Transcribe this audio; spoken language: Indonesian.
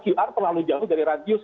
qr terlalu jauh dari radius